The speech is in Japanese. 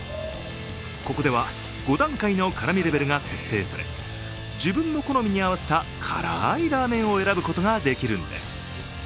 ここでは、５段階の辛味レベルが設定され自分の好みに合わせた辛いラーメンを選ぶことができるんです。